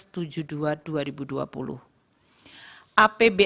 dan kemudian di dalam perpres tujuh puluh dua dua ribu dua puluh